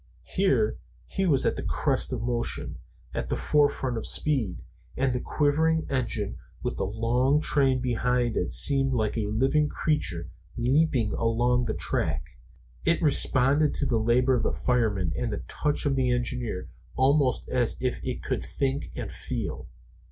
Here he was on the crest of motion, at the forefront of speed, and the quivering engine with the long train behind it seemed like a living creature leaping along the track. It responded to the labor of the fireman and the touch of the engineer almost as if it could think and feel.